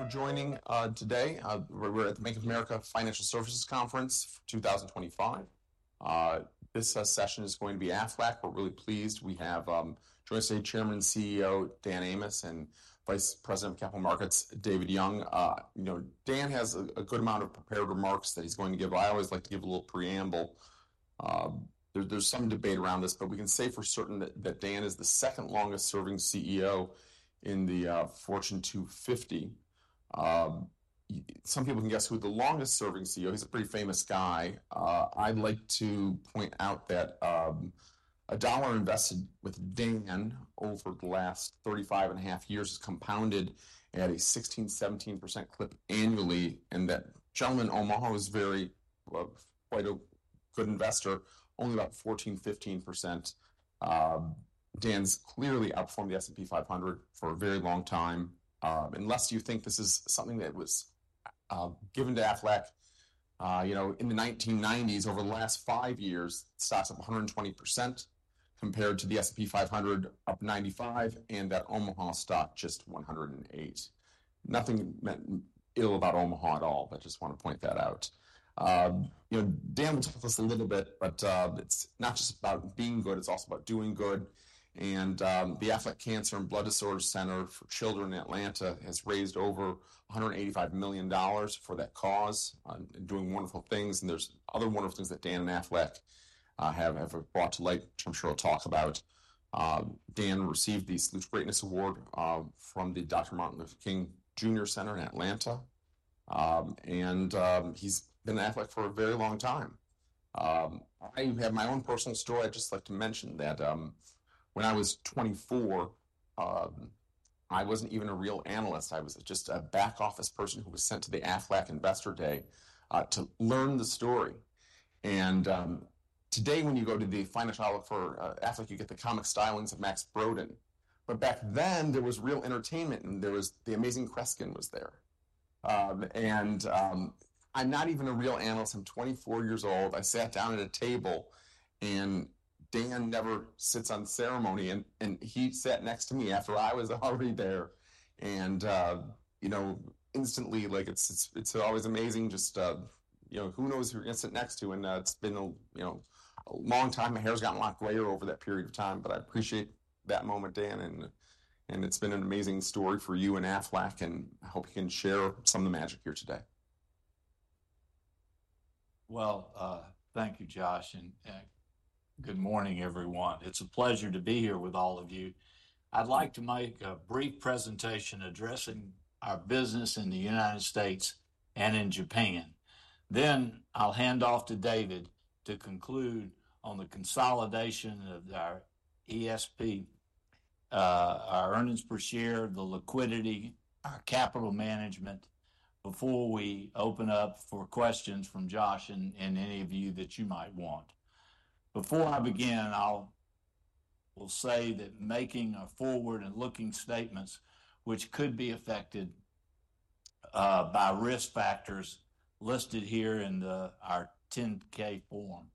Thank you for joining today. We're at the Bank of America Financial Services Conference 2025. This session is going to be Aflac. We're really pleased. We have our esteemed Chairman and CEO Dan Amos, and Vice President of Capital Markets, David Young. You know, Dan has a good amount of prepared remarks that he's going to give, but I always like to give a little preamble. There's some debate around this, but we can say for certain that Dan is the second longest serving CEO in the Fortune 250. Some people can guess who the longest serving CEO is. He's a pretty famous guy. I'd like to point out that a dollar invested with Dan over the last 35.5 years has compounded at a 16-17% clip annually, and that gentleman from Omaha was a very good investor, only about 14%-15%. Dan's clearly outperformed the S&P 500 for a very long time. Unless you think this is something that was given to Aflac, you know, in the 1990s, over the last five years, stocks up 120% compared to the S&P 500 up 95%, and that Omaha stock just 108%. Nothing ill about Omaha at all, but I just want to point that out. You know, Dan will talk to us a little bit, but it's not just about being good, it's also about doing good. And the Aflac Cancer and Blood Disorders Center for children in Atlanta has raised over $185 million for that cause, doing wonderful things. And there's other wonderful things that Dan and Aflac have brought to light, which I'm sure we'll talk about. Dan received the Salute to Greatness Award from the Dr. Martin Luther King Jr. Center in Atlanta, and he's been at Aflac for a very long time. I have my own personal story. I'd just like to mention that when I was 24, I wasn't even a real analyst. I was just a back office person who was sent to the Aflac Investor Day to learn the story. And today, when you go to the Financial Outlook for Aflac, you get the comic stylings of Max Brodén. But back then, there was real entertainment, and there was The Amazing Kreskin was there. And I'm not even a real analyst. I'm 24 years old. I sat down at a table, and Dan never sits on ceremony, and he sat next to me after I was already there. And, you know, instantly, like, it's always amazing just, you know, who knows who you're sitting next to. And it's been, you know, a long time. My hair's gotten a lot grayer over that period of time, but I appreciate that moment, Dan. And it's been an amazing story for you and Aflac, and I hope you can share some of the magic here today. Well, thank you, Josh, and good morning, everyone. It's a pleasure to be here with all of you. I'd like to make a brief presentation addressing our business in the United States and in Japan. Then I'll hand off to David to conclude on the consensus of our EPS, our earnings per share, the liquidity, our capital management, before we open up for questions from Josh and any of you that you might want. Before I begin, I'll say that we're making a forward-looking statement, which could be affected by risk factors listed here in our 10-K form.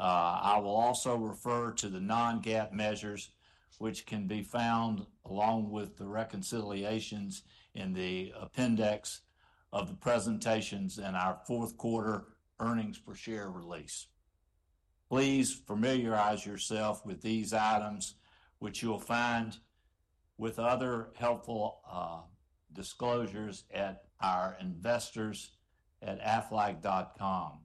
I will also refer to the non-GAAP measures, which can be found along with the reconciliations in the appendix of the presentations in our fourth quarter earnings per share release. Please familiarize yourself with these items, which you'll find with other helpful disclosures at our investors.aflac.com.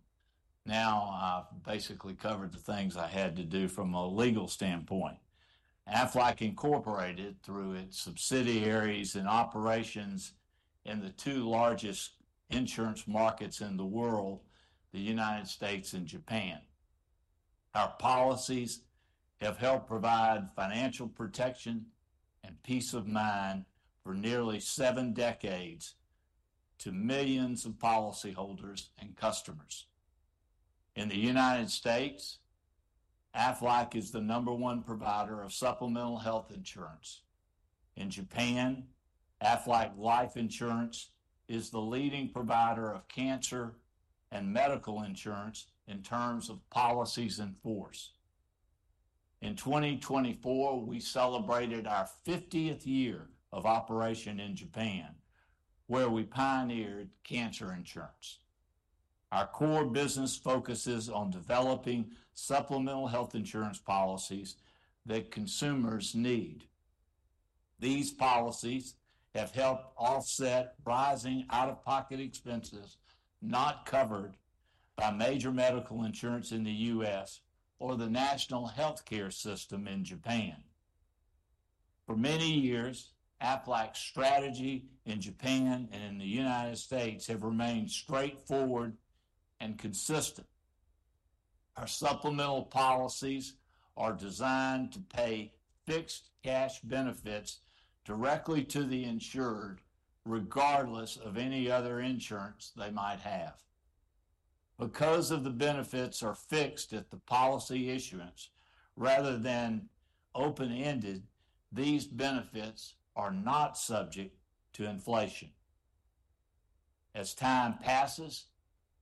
Now, I've basically covered the things I had to do from a legal standpoint. Aflac Incorporated, through its subsidiaries and operations in the two largest insurance markets in the world, the United States and Japan. Our policies have helped provide financial protection and peace of mind for nearly seven decades to millions of policyholders and customers. In the United States, Aflac is the number one provider of supplemental health insurance. In Japan, Aflac Life Insurance is the leading provider of cancer and medical insurance in terms of policies in force. In 2024, we celebrated our 50th year of operation in Japan, where we pioneered cancer insurance. Our core business focuses on developing supplemental health insurance policies that consumers need. These policies have helped offset rising out-of-pocket expenses not covered by major medical insurance in the U.S. or the national healthcare system in Japan. For many years, Aflac's strategy in Japan and in the United States has remained straightforward and consistent. Our supplemental policies are designed to pay fixed cash benefits directly to the insured, regardless of any other insurance they might have. Because the benefits are fixed at the policy issuance rather than open-ended, these benefits are not subject to inflation. As time passes,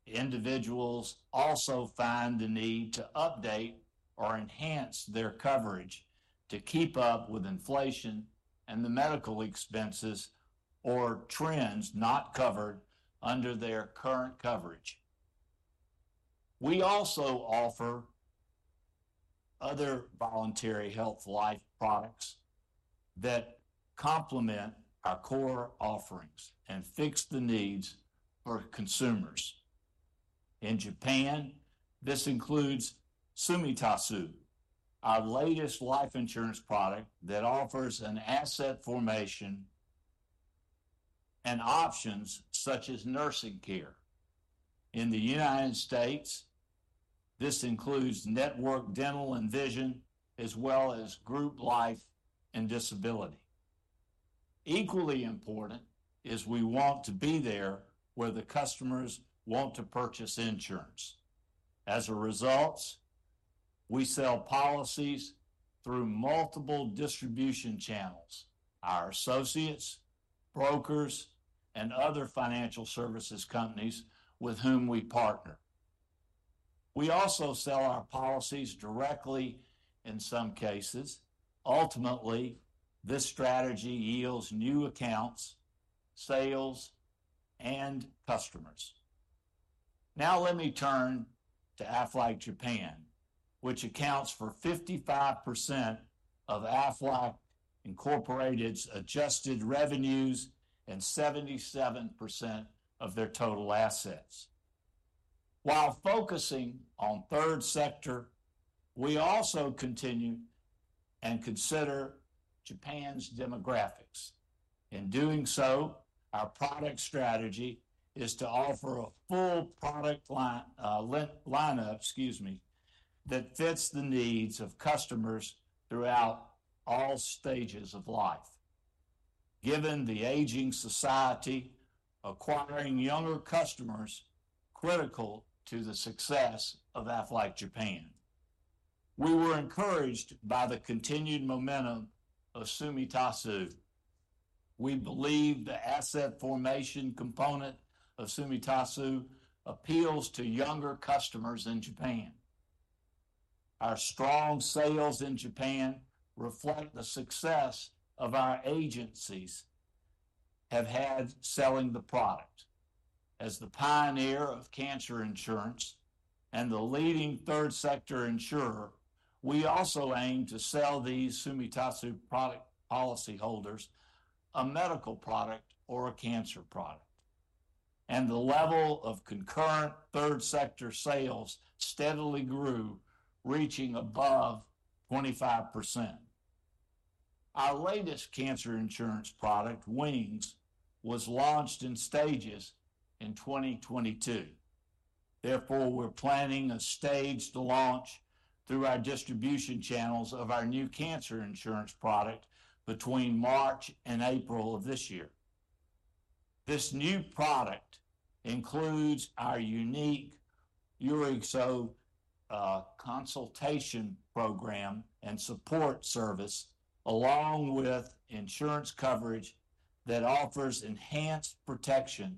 individuals also find the need to update or enhance their coverage to keep up with inflation and the medical expenses or trends not covered under their current coverage. We also offer other voluntary health life products that complement our core offerings and fit the needs for consumers. In Japan, this includes Tsumitasu, our latest life insurance product that offers an asset formation and options such as nursing care. In the United States, this includes Network Dental and Vision, as well as Group Life and Disability. Equally important is we want to be there where the customers want to purchase insurance. As a result, we sell policies through multiple distribution channels: our associates, brokers, and other financial services companies with whom we partner. We also sell our policies directly in some cases. Ultimately, this strategy yields new accounts, sales, and customers. Now, let me turn to Aflac Japan, which accounts for 55% of Aflac Incorporated's adjusted revenues and 77% of their total assets. While focusing on Third Sector, we also continue and consider Japan's demographics. In doing so, our product strategy is to offer a full product lineup, excuse me, that fits the needs of customers throughout all stages of life, given the aging society, acquiring younger customers critical to the success of Aflac Japan. We were encouraged by the continued momentum of Tsumitasu. We believe the asset formation component of Tsumitasu appeals to younger customers in Japan. Our strong sales in Japan reflect the success of our agencies have had selling the product. As the pioneer of cancer insurance and the leading third sector insurer, we also aim to sell these Tsumitasu product policyholders a medical product or a cancer product. The level of concurrent third sector sales steadily grew, reaching above 25%. Our latest cancer insurance product, Wings, was launched in stages in 2022. Therefore, we're planning a staged launch through our distribution channels of our new cancer insurance product between March and April of this year. This new product includes our unique Yorisou consultation program and support service, along with insurance coverage that offers enhanced protection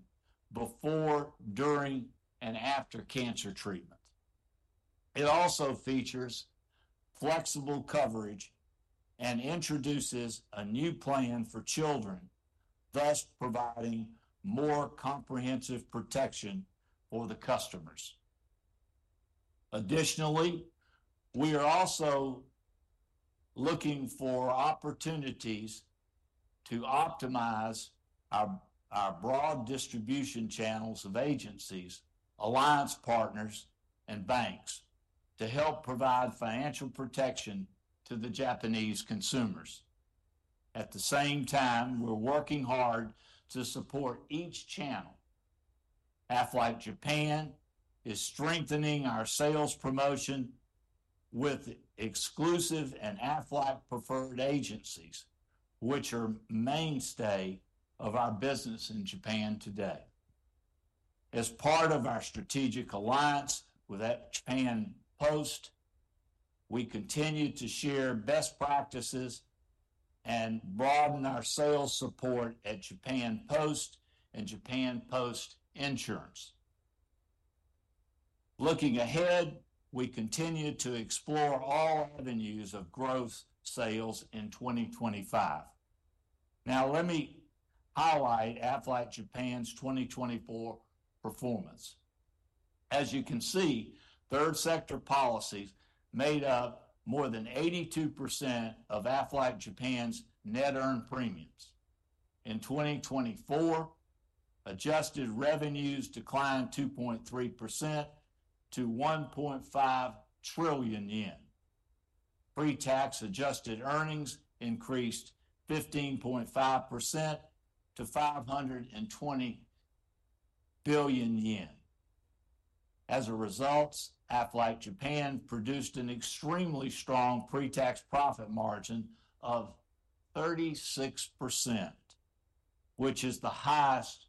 before, during, and after cancer treatment. It also features flexible coverage and introduces a new plan for children, thus providing more comprehensive protection for the customers. Additionally, we are also looking for opportunities to optimize our broad distribution channels of agencies, alliance partners, and banks to help provide financial protection to the Japanese consumers. At the same time, we're working hard to support each channel. Aflac Japan is strengthening our sales promotion with exclusive and Aflac-preferred agencies, which are the mainstay of our business in Japan today. As part of our strategic alliance with Japan Post, we continue to share best practices and broaden our sales support at Japan Post and Japan Post Insurance. Looking ahead, we continue to explore all avenues of growth sales in 2025. Now, let me highlight Aflac Japan's 2024 performance. As you can see, Third Sector policies made up more than 82% of Aflac Japan's net earned premiums. In 2024, adjusted revenues declined 2.3% to 1.5 trillion yen. Pre-tax adjusted earnings increased 15.5% to 520 billion yen. As a result, Aflac Japan produced an extremely strong pre-tax profit margin of 36%, which is the highest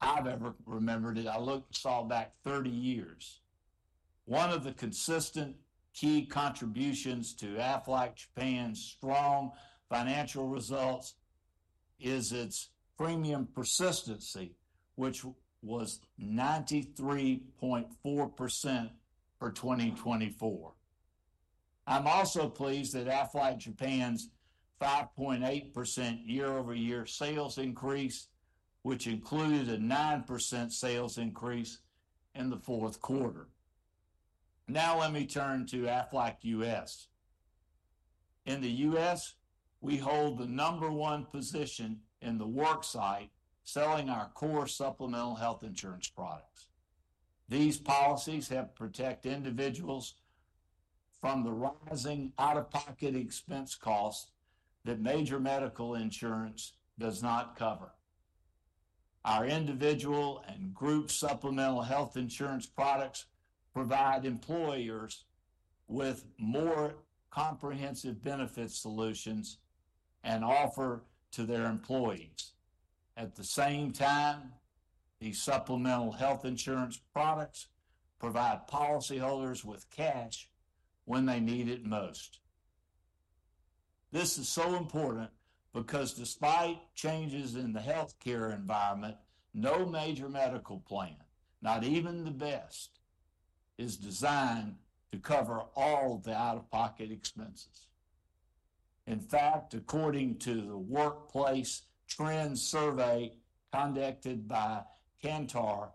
I've ever remembered it. I looked and saw back 30 years. One of the consistent key contributions to Aflac Japan's strong financial results is its premium persistency, which was 93.4% for 2024. I'm also pleased that Aflac Japan's 5.8% year-over-year sales increase, which included a 9% sales increase in the fourth quarter. Now, let me turn to Aflac U.S. In the U.S., we hold the number one position in the worksite selling our core supplemental health insurance products. These policies help protect individuals from the rising out-of-pocket expense costs that major medical insurance does not cover. Our individual and group supplemental health insurance products provide employers with more comprehensive benefit solutions and offer to their employees. At the same time, these supplemental health insurance products provide policyholders with cash when they need it most. This is so important because, despite changes in the healthcare environment, no major medical plan, not even the best, is designed to cover all the out-of-pocket expenses. In fact, according to the Workplace Trends Survey conducted by Kantar,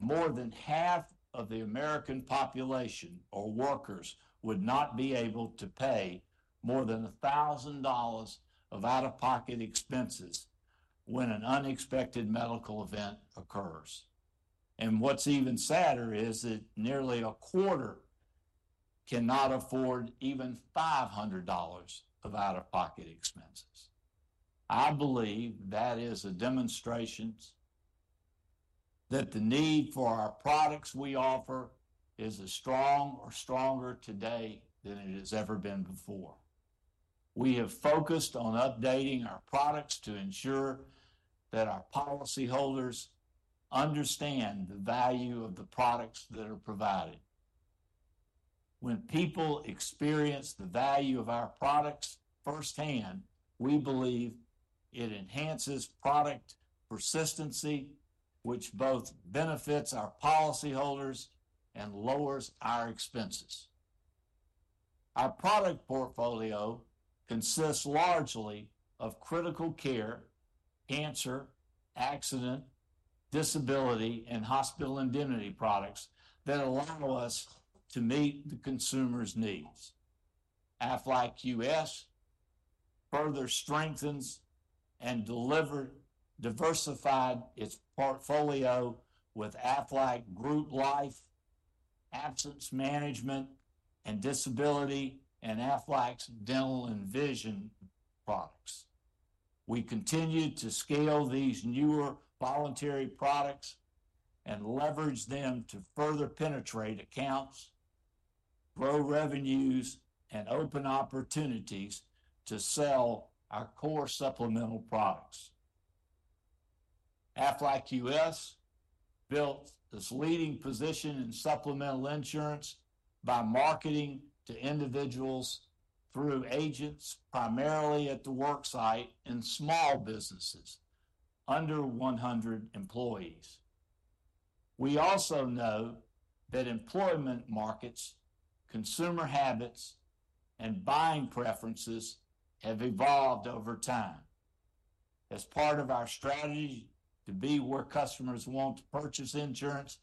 more than half of the American population or workers would not be able to pay more than $1,000 of out-of-pocket expenses when an unexpected medical event occurs. And what's even sadder is that nearly a quarter cannot afford even $500 of out-of-pocket expenses. I believe that is a demonstration that the need for our products we offer is as strong or stronger today than it has ever been before. We have focused on updating our products to ensure that our policyholders understand the value of the products that are provided. When people experience the value of our products firsthand, we believe it enhances product persistency, which both benefits our policyholders and lowers our expenses. Our product portfolio consists largely of critical care, cancer, accident, disability, and hospital indemnity products that allow us to meet the consumer's needs. Aflac U.S. further strengthens and diversified its portfolio with Aflac Group Life, Absence Management, and Disability, and Aflac's Dental and Vision products. We continue to scale these newer voluntary products and leverage them to further penetrate accounts, grow revenues, and open opportunities to sell our core supplemental products. Aflac U.S. built this leading position in supplemental insurance by marketing to individuals through agents, primarily at the Worksite in small businesses under 100 employees. We also know that employment markets, consumer habits, and buying preferences have evolved over time. As part of our strategy to be where customers want to purchase insurance,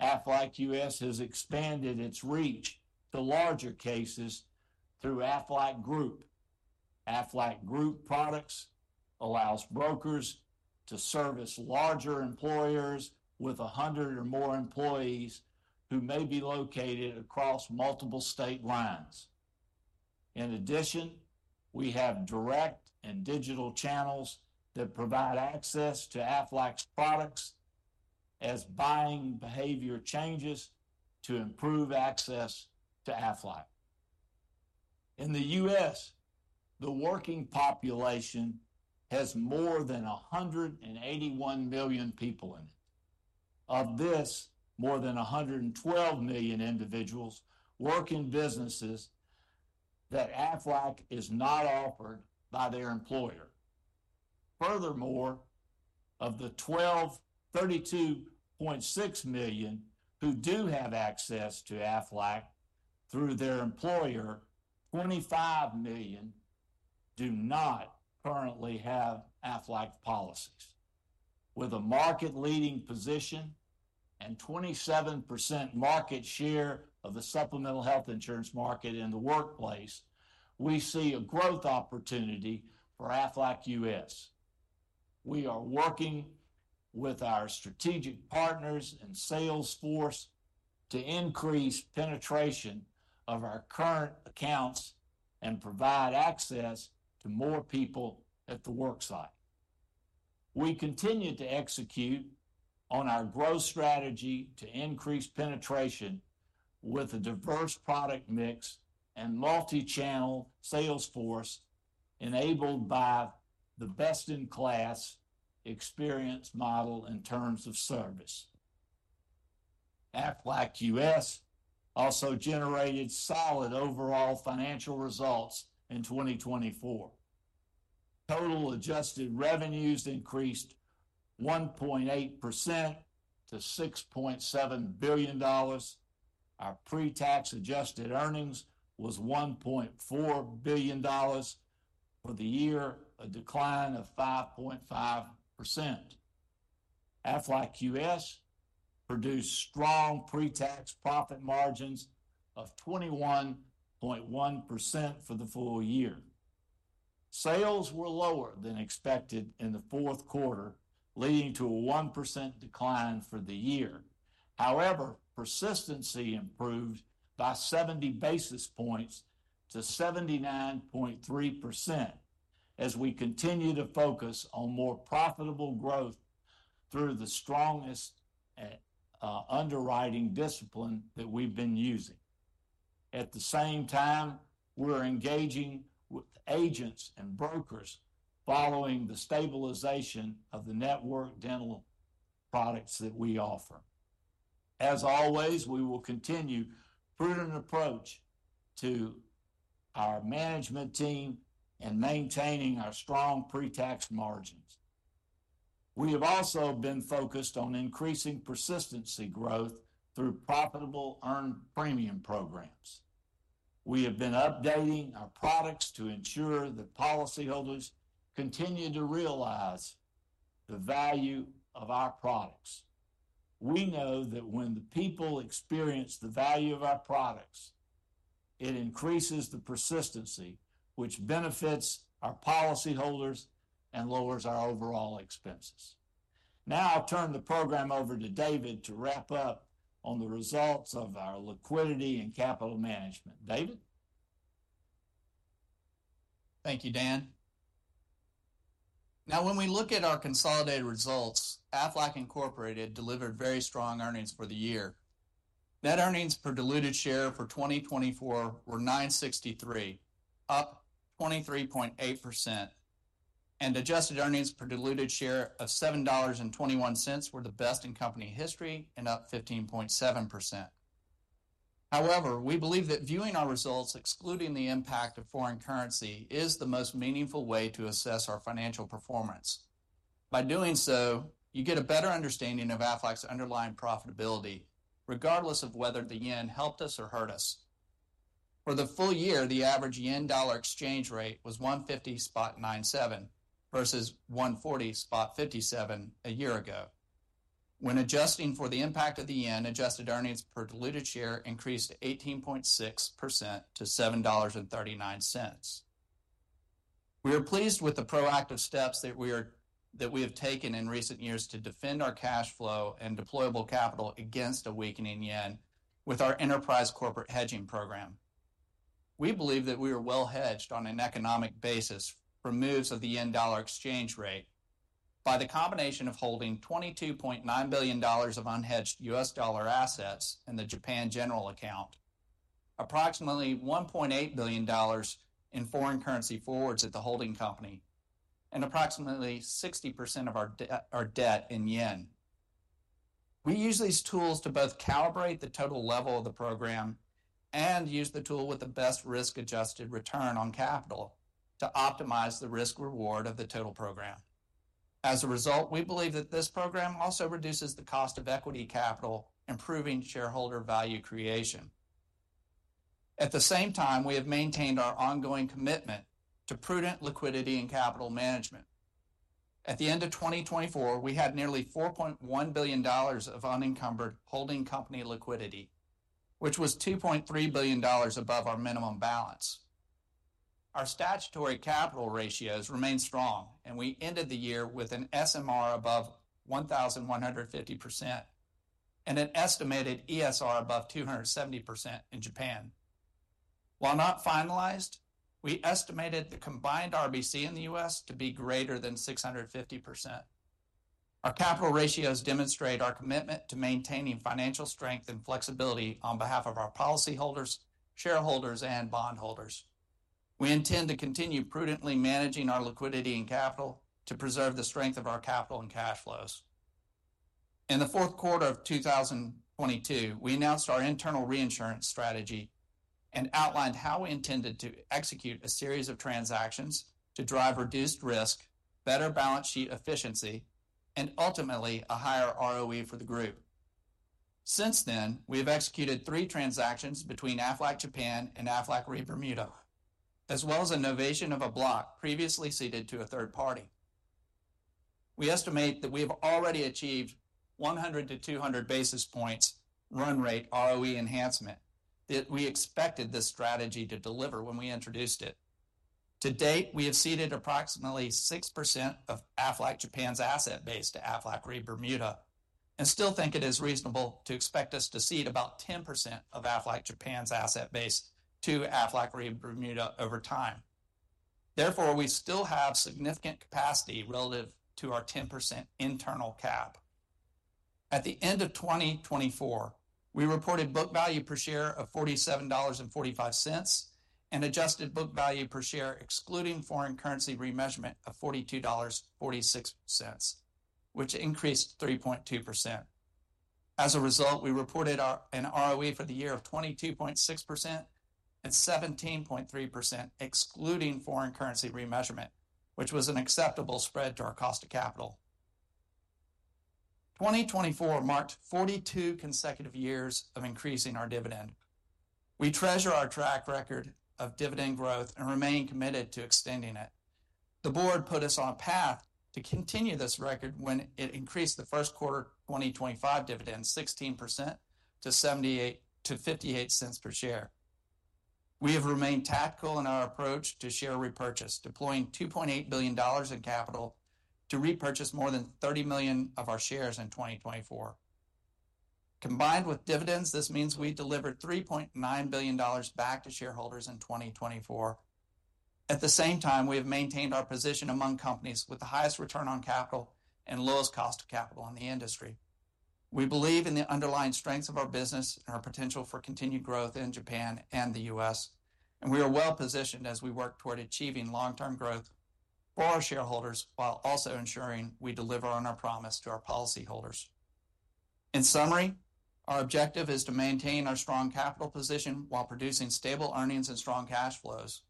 Aflac U.S. has expanded its reach to larger cases through Aflac Group. Aflac Group products allow brokers to service larger employers with 100 or more employees who may be located across multiple state lines. In addition, we have direct and digital channels that provide access to Aflac's products as buying behavior changes to improve access to Aflac. In the U.S., the working population has more than 181 million people in it. Of this, more than 112 million individuals work in businesses that Aflac is not offered by their employer. Furthermore, of the 32.6 million who do have access to Aflac through their employer, 25 million do not currently have Aflac policies. With a market-leading position and 27% market share of the supplemental health insurance market in the workplace, we see a growth opportunity for Aflac U.S. We are working with our strategic partners and sales force to increase penetration of our current accounts and provide access to more people at the Worksite. We continue to execute on our growth strategy to increase penetration with a diverse product mix and multi-channel sales force enabled by the best-in-class experience model in terms of service. Aflac U.S. also generated solid overall financial results in 2024. Total adjusted revenues increased 1.8% to $6.7 billion. Our pre-tax adjusted earnings was $1.4 billion for the year, a decline of 5.5%. Aflac U.S. produced strong pre-tax profit margins of 21.1% for the full year. Sales were lower than expected in the fourth quarter, leading to a 1% decline for the year. However, persistency improved by 70 basis points to 79.3% as we continue to focus on more profitable growth through the strongest underwriting discipline that we've been using. At the same time, we're engaging with agents and brokers following the stabilization of the network dental products that we offer. As always, we will continue prudent approach to our management team and maintaining our strong pre-tax margins. We have also been focused on increasing persistency growth through profitable earned premium programs. We have been updating our products to ensure that policyholders continue to realize the value of our products. We know that when the people experience the value of our products, it increases the persistency, which benefits our policyholders and lowers our overall expenses. Now, I'll turn the program over to David to wrap up on the results of our liquidity and capital management. David? Thank you, Dan. Now, when we look at our consolidated results, Aflac Incorporated delivered very strong earnings for the year. Net earnings per diluted share for 2024 were $963, up 23.8%, and adjusted earnings per diluted share of $7.21 were the best in company history and up 15.7%. However, we believe that viewing our results, excluding the impact of foreign currency, is the most meaningful way to assess our financial performance. By doing so, you get a better understanding of Aflac's underlying profitability, regardless of whether the yen helped us or hurt us. For the full year, the average yen-dollar exchange rate was 150.97 versus 140.57 a year ago. When adjusting for the impact of the yen, adjusted earnings per diluted share increased 18.6% to $7.39. We are pleased with the proactive steps that we have taken in recent years to defend our cash flow and deployable capital against a weakening yen with our enterprise corporate hedging program. We believe that we are well hedged on an economic basis for moves of the yen-dollar exchange rate by the combination of holding $22.9 billion of unhedged U.S. dollar assets in the Japan General account, approximately $1.8 billion in foreign currency forwards at the holding company, and approximately 60% of our debt in yen. We use these tools to both calibrate the total level of the program and use the tool with the best risk-adjusted return on capital to optimize the risk-reward of the total program. As a result, we believe that this program also reduces the cost of equity capital, improving shareholder value creation. At the same time, we have maintained our ongoing commitment to prudent liquidity and capital management. At the end of 2024, we had nearly $4.1 billion of unencumbered holding company liquidity, which was $2.3 billion above our minimum balance. Our statutory capital ratios remained strong, and we ended the year with an SMR above 1,150% and an estimated ESR above 270% in Japan. While not finalized, we estimated the combined RBC in the U.S. to be greater than 650%. Our capital ratios demonstrate our commitment to maintaining financial strength and flexibility on behalf of our policyholders, shareholders, and bondholders. We intend to continue prudently managing our liquidity and capital to preserve the strength of our capital and cash flows. In the fourth quarter of 2022, we announced our internal reinsurance strategy and outlined how we intended to execute a series of transactions to drive reduced risk, better balance sheet efficiency, and ultimately a higher ROE for the group. Since then, we have executed three transactions between Aflac Japan and Aflac Re Bermuda, as well as a novation of a block previously ceded to a third party. We estimate that we have already achieved 100 to 200 basis points run rate ROE enhancement that we expected this strategy to deliver when we introduced it. To date, we have ceded approximately 6% of Aflac Japan's asset base to Aflac Re Bermuda and still think it is reasonable to expect us to cede about 10% of Aflac Japan's asset base to Aflac Re Bermuda over time. Therefore, we still have significant capacity relative to our 10% internal cap. At the end of 2024, we reported book value per share of $47.45 and adjusted book value per share excluding foreign currency remeasurement of $42.46, which increased 3.2%. As a result, we reported an ROE for the year of 22.6% and 17.3% excluding foreign currency remeasurement, which was an acceptable spread to our cost of capital. 2024 marked 42 consecutive years of increasing our dividend. We treasure our track record of dividend growth and remain committed to extending it. The board put us on a path to continue this record when it increased the first quarter 2025 dividend 16% to $0.58 per share. We have remained tactical in our approach to share repurchase, deploying $2.8 billion in capital to repurchase more than 30 million of our shares in 2024. Combined with dividends, this means we delivered $3.9 billion back to shareholders in 2024. At the same time, we have maintained our position among companies with the highest return on capital and lowest cost of capital in the industry. We believe in the underlying strengths of our business and our potential for continued growth in Japan and the U.S., and we are well positioned as we work toward achieving long-term growth for our shareholders while also ensuring we deliver on our promise to our policyholders. In summary, our objective is to maintain our strong capital position while producing stable earnings and strong cash flows.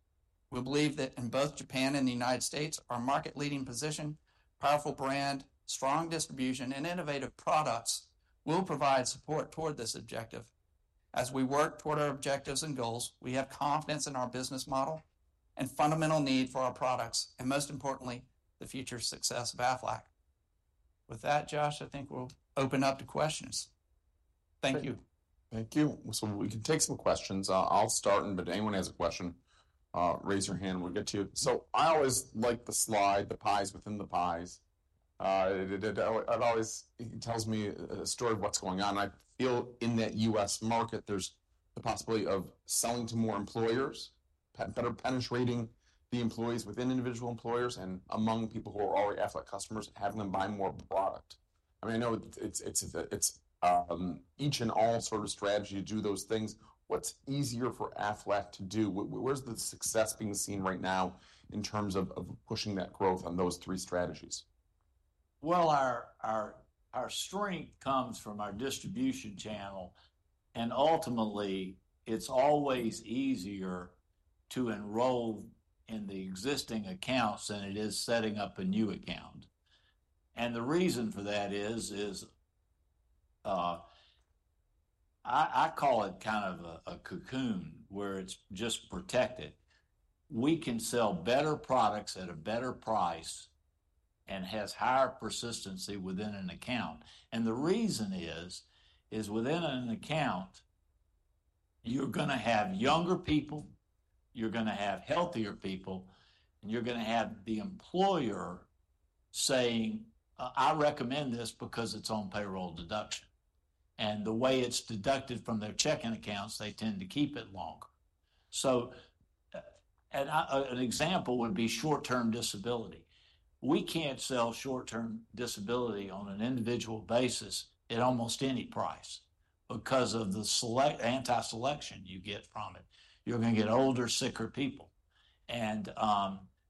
We believe that in both Japan and the United States, our market-leading position, powerful brand, strong distribution, and innovative products will provide support toward this objective. As we work toward our objectives and goals, we have confidence in our business model and fundamental need for our products, and most importantly, the future success of Aflac. With that, Josh, I think we'll open up to questions. Thank you. Thank you. So we can take some questions. I'll start, and if anyone has a question, raise your hand. We'll get to you. So I always like the slide, the pies within the pies. It always tells me a story of what's going on. I feel in that U.S. market, there's the possibility of selling to more employers, better penetrating the employees within individual employers and among people who are already Aflac customers, and having them buy more product. I mean, I know it's each and all sort of strategy to do those things. What's easier for Aflac to do? Where's the success being seen right now in terms of pushing that growth on those three strategies? Well, our strength comes from our distribution channel, and ultimately, it's always easier to enroll in the existing accounts than it is setting up a new account. And the reason for that is, I call it kind of a cocoon where it's just protected. We can sell better products at a better price and have higher persistency within an account. And the reason is, within an account, you're going to have younger people, you're going to have healthier people, and you're going to have the employer saying, "I recommend this because it's on payroll deduction." And the way it's deducted from their checking accounts, they tend to keep it longer. So an example would be short-term disability. We can't sell short-term disability on an individual basis at almost any price because of the adverse selection you get from it. You're going to get older, sicker people. And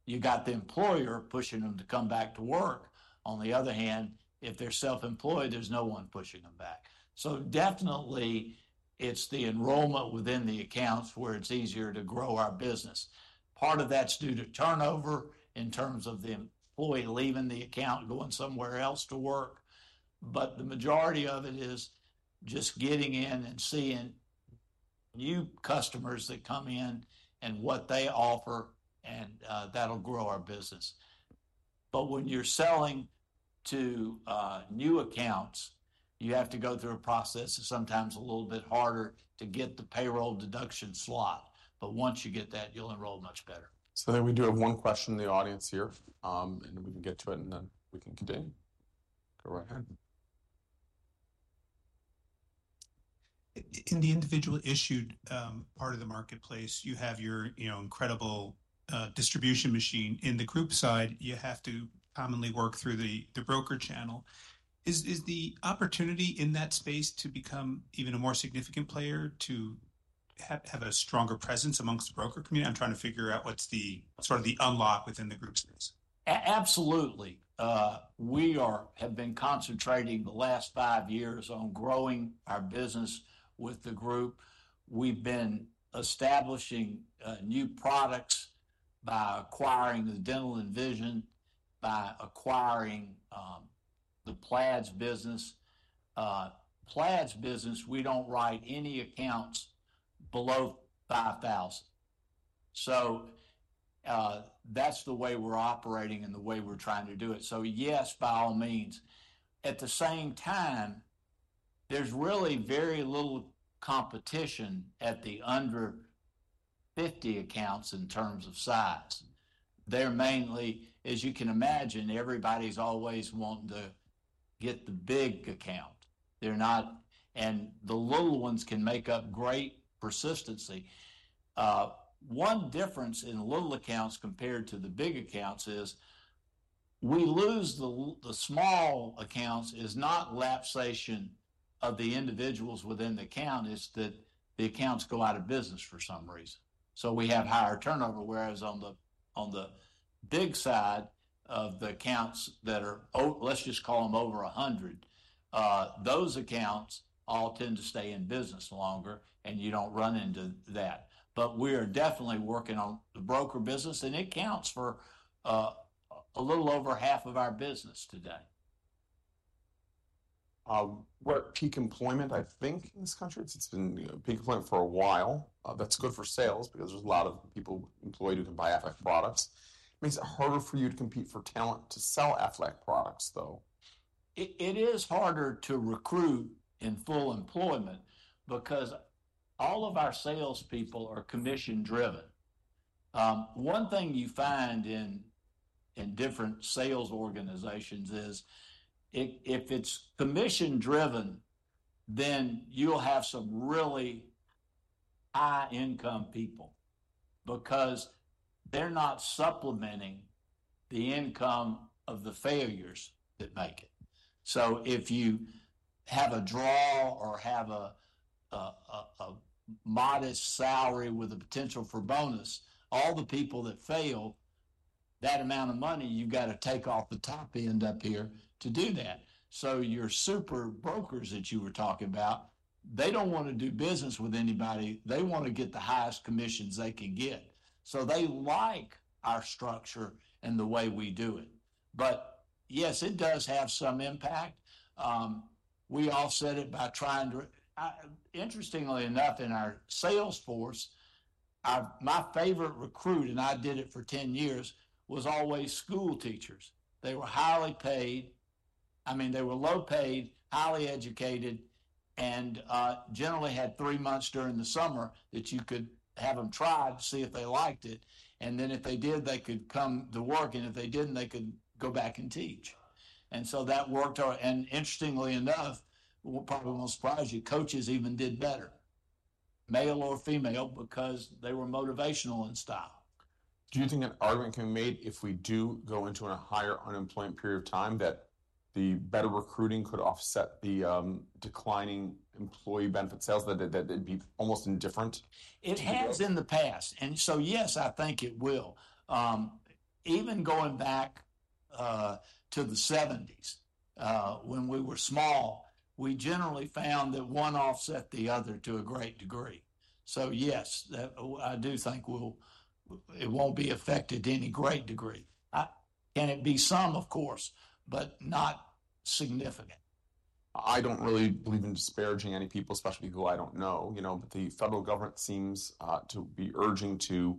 you got the employer pushing them to come back to work. On the other hand, if they're self-employed, there's no one pushing them back. So definitely, it's the enrollment within the accounts where it's easier to grow our business. Part of that's due to turnover in terms of the employee leaving the account, going somewhere else to work. But the majority of it is just getting in and seeing new customers that come in and what they offer, and that'll grow our business. But when you're selling to new accounts, you have to go through a process that's sometimes a little bit harder to get the payroll deduction slot. But once you get that, you'll enroll much better. So then we do have one question in the audience here, and we can get to it, and then we can continue. Go right ahead. In the individual issued part of the marketplace, you have your incredible distribution machine. In the group side, you have to commonly work through the broker channel. Is the opportunity in that space to become even a more significant player, to have a stronger presence amongst the broker community? I'm trying to figure out what's the sort of the unlock within the group space. Absolutely. We have been concentrating the last five years on growing our business with the group. We've been establishing new products by acquiring the dental and vision, by acquiring the PLADS business. PLADS business, we don't write any accounts below 5,000. So that's the way we're operating and the way we're trying to do it. So yes, by all means. At the same time, there's really very little competition at the under 50 accounts in terms of size. They're mainly, as you can imagine, everybody's always wanting to get the big account. And the little ones can make up great persistency. One difference in little accounts compared to the big accounts is we lose the small accounts. It's not lapsation of the individuals within the account, it's that the accounts go out of business for some reason. So we have higher turnover, whereas on the big side of the accounts that are, let's just call them over 100, those accounts all tend to stay in business longer, and you don't run into that. But we are definitely working on the broker business, and it counts for a little over half of our business today. We're at peak employment, I think, in this country. It's been peak employment for a while. That's good for sales because there's a lot of people employed who can buy Aflac products. Makes it harder for you to compete for talent to sell Aflac products, though. It is harder to recruit in full employment because all of our salespeople are commission-driven. One thing you find in different sales organizations is if it's commission-driven, then you'll have some really high-income people because they're not supplementing the income of the failures that make it. So if you have a draw or have a modest salary with a potential for bonus, all the people that fail, that amount of money, you've got to take off the top end up here to do that. So your super brokers that you were talking about, they don't want to do business with anybody. They want to get the highest commissions they can get. So they like our structure and the way we do it. But yes, it does have some impact. We offset it by trying to, interestingly enough, in our sales force, my favorite recruit, and I did it for 10 years, was always school teachers. They were highly paid. I mean, they were low-paid, highly educated, and generally had three months during the summer that you could have them try to see if they liked it. And then if they did, they could come to work, and if they didn't, they could go back and teach. And so that worked out. And interestingly enough, probably won't surprise you, coaches even did better, male or female, because they were motivational in style. Do you think an argument can be made if we do go into a higher unemployment period of time that the better recruiting could offset the declining employee benefit sales that would be almost indifferent? It has in the past. And so yes, I think it will. Even going back to the 1970s, when we were small, we generally found that one offset the other to a great degree. So yes, I do think it won't be affected to any great degree. Can it be some, of course, but not significant? I don't really believe in disparaging any people, especially people I don't know. But the federal government seems to be urging to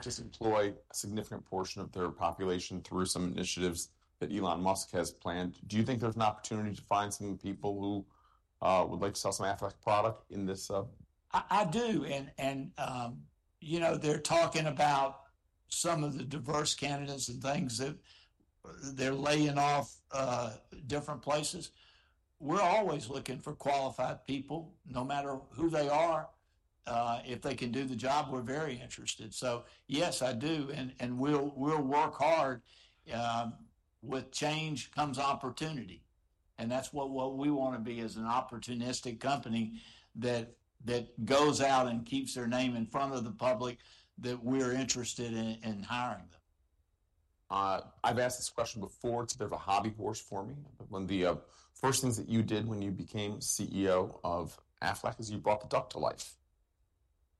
just employ a significant portion of their population through some initiatives that Elon Musk has planned. Do you think there's an opportunity to find some people who would like to sell some Aflac product in this? I do. And they're talking about some of the diverse candidates and things that they're laying off different places. We're always looking for qualified people, no matter who they are. If they can do the job, we're very interested. So yes, I do. And we'll work hard. With change comes opportunity. And that's what we want to be as an opportunistic company that goes out and keeps their name in front of the public, that we're interested in hiring them. I've asked this question before because there's a hobby horse for me. One of the first things that you did when you became CEO of Aflac is you brought the duck to life.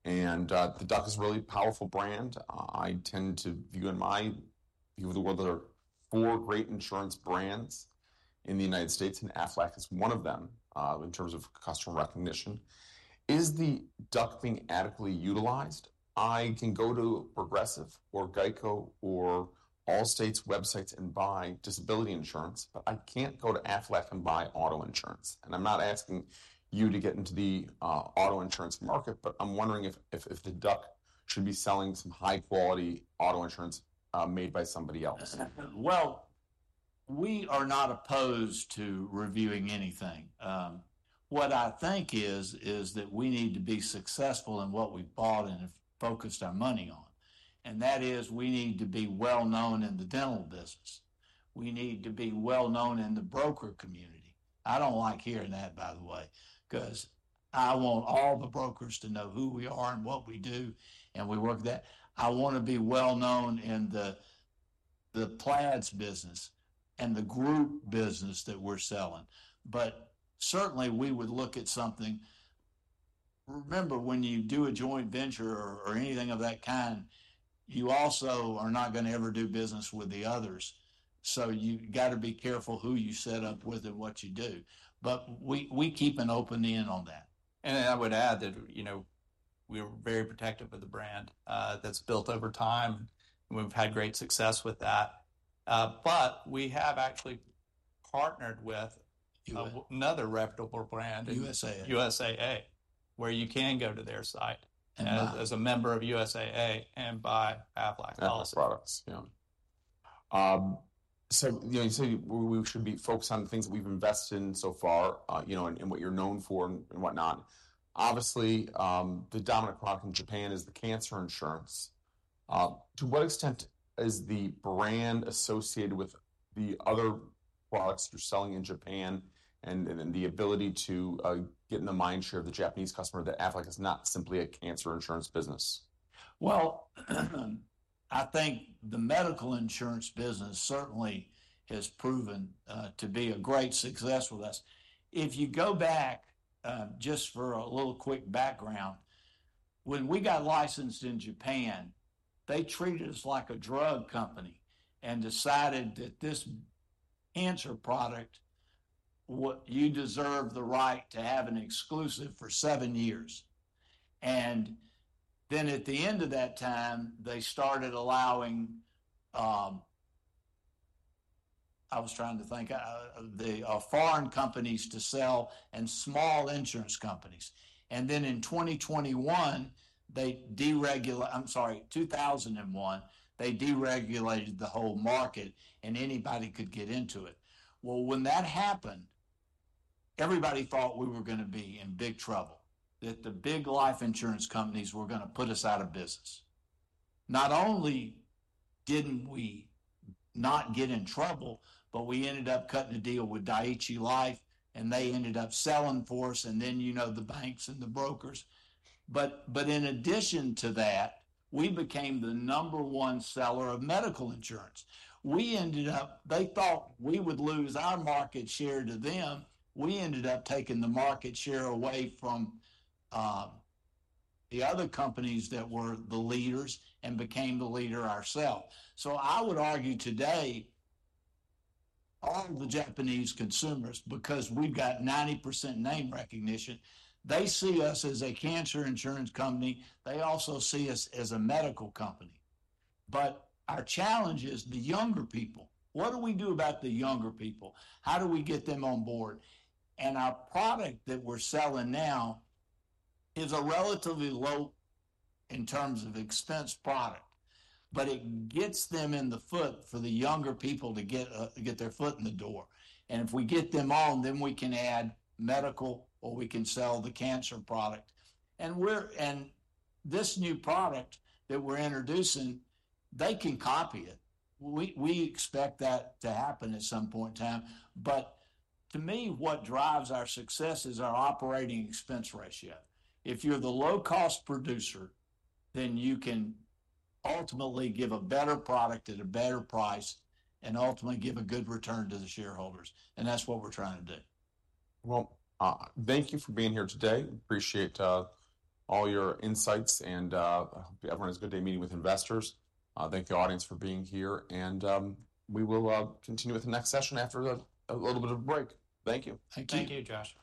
And the duck is a really powerful brand. I tend to view in my view of the world, there are four great insurance brands in the United States, and Aflac is one of them in terms of customer recognition. Is the duck being adequately utilized? I can go to Progressive or Geico or Allstate's websites and buy disability insurance, but I can't go to Aflac and buy auto insurance. And I'm not asking you to get into the auto insurance market, but I'm wondering if the duck should be selling some high-quality auto insurance made by somebody else. Well, we are not opposed to reviewing anything. What I think is that we need to be successful in what we bought and have focused our money on. And that is we need to be well-known in the dental business. We need to be well-known in the broker community. I don't like hearing that, by the way, because I want all the brokers to know who we are and what we do and we work that. I want to be well-known in the PLADS business and the group business that we're selling. But certainly, we would look at something. Remember, when you do a joint venture or anything of that kind, you also are not going to ever do business with the others. So you've got to be careful who you set up with and what you do. But we keep an open mind on that. And I would add that we are very protective of the brand that's built over time. We've had great success with that. But we have actually partnered with another reputable brand USAA, where you can go to their site as a member of USAA and buy Aflac policies. Aflac products, yeah. So you say we should be focused on the things that we've invested in so far and what you're known for and whatnot. Obviously, the dominant product in Japan is the cancer insurance. To what extent is the brand associated with the other products you're selling in Japan and the ability to get in the mind share of the Japanese customer that Aflac is not simply a cancer insurance business? I think the medical insurance business certainly has proven to be a great success with us. If you go back, just for a little quick background, when we got licensed in Japan, they treated us like a drug company and decided that this cancer product, you deserve the right to have an exclusive for seven years. And then at the end of that time, they started allowing, I was trying to think, foreign companies to sell and small insurance companies. And then in 2021, they deregulated, I'm sorry, 2001, they deregulated the whole market and anybody could get into it. When that happened, everybody thought we were going to be in big trouble, that the big life insurance companies were going to put us out of business. Not only didn't we not get in trouble, but we ended up cutting a deal with Dai-ichi Life, and they ended up selling for us, and then the banks and the brokers. But in addition to that, we became the number one seller of medical insurance. They thought we would lose our market share to them. We ended up taking the market share away from the other companies that were the leaders and became the leader ourselves. So I would argue today, all the Japanese consumers, because we've got 90% name recognition, they see us as a cancer insurance company. They also see us as a medical company. But our challenge is the younger people. What do we do about the younger people? How do we get them on board? Our product that we're selling now is a relatively low in terms of expense product, but it gets their foot in the door for the younger people. If we get them on, then we can add medical or we can sell the cancer product. This new product that we're introducing, they can copy it. We expect that to happen at some point in time. To me, what drives our success is our operating expense ratio. If you're the low-cost producer, then you can ultimately give a better product at a better price and ultimately give a good return to the shareholders. That's what we're trying to do. Thank you for being here today. Appreciate all your insights, and I hope everyone has a good day meeting with investors. Thank the audience for being here, and we will continue with the next session after a little bit of a break. Thank you. Thank you. Thank you, Josh.